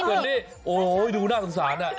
เพื่อนช่วยอะไรไม่ได้